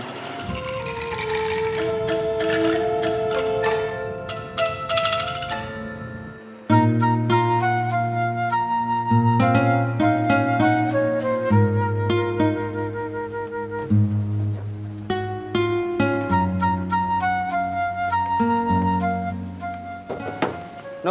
tidak ada jamnya